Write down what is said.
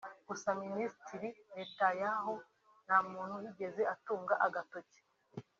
Gusa Minisitiri Netanyahu nta muntu yigeze atunga agatoki